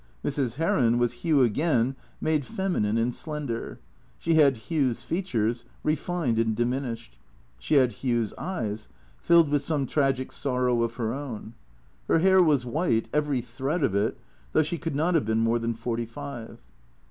Mrs. Heron was Hugh again made feminine and slender. She had Hugh's features, refined and diminished. She had Hugh's eyes, filled with some tragic sorrow of her own. Her hair was white, every thread of it, though she could not have been more than forty five.